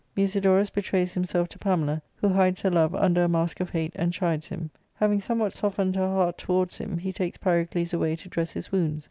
Musidorus betrays himself to Pamela, who hides her love under a mask of hate and chides him. Having somewhat softened her heart towards him, he takes Pyrocles away to dress his wounds.